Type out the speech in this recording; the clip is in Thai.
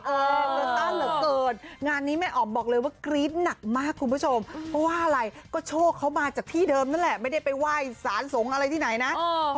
เงินต้านเหลือเกินงานนี้แม่อ๋อมบอกเลยว่ากรี๊ดหนักมากคุณผู้ชมเพราะว่าอะไรก็โชคเขามาจากที่เดิมนั่นแหละไม่ได้ไปไหว้สารสงฆ์อะไรที่ไหนนะ